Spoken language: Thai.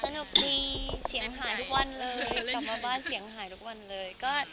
ดีเสียงหายทุกวันเลยกลับมาบ้านเสียงหายทุกวันเลย